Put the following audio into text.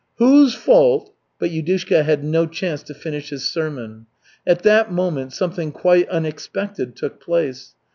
"Whose fault " But Yudushka had no chance to finish his sermon. At that moment something quite unexpected took place.